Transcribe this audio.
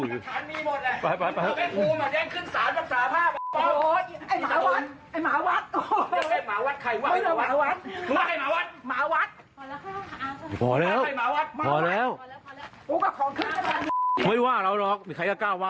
หมายความว่ายังไงวะ